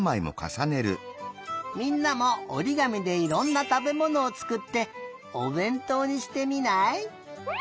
みんなもおりがみでいろんなたべものをつくっておべんとうにしてみない？